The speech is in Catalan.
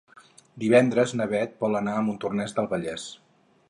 Divendres na Beth vol anar a Montornès del Vallès.